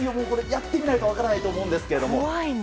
やってみないと分からないと思うんですけど。